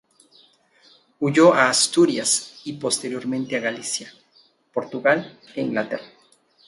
Huyó a Asturias y posteriormente a Galicia, Portugal e Inglaterra.